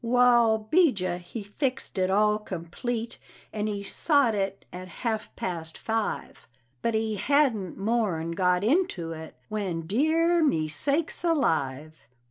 Wa'al, 'Bijah he fixed it all complete, and he sot it at half past five, But he hadn't more 'n got into it, when dear me! sakes alive!